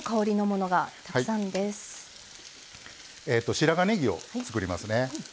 白髪ねぎを作りますね。